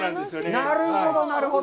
なるほど、なるほど。